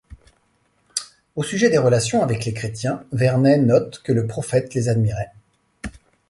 Au sujet des relations avec les chrétiens, Vernet note que le prophète les admirait.